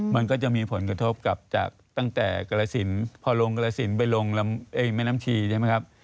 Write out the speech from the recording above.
มันก็จะมีผลกระทบกับจากตั้งแต่กรสินพอลงกรสินไปลงลำแม่น้ำชีใช่ไหมครับ